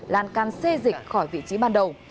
làn can xê dịch khỏi vị trí ban đầu